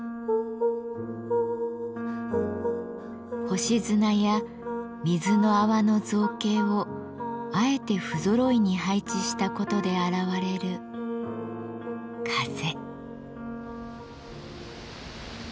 星砂や水の泡の造形をあえて不ぞろいに配置したことで現れる「風」。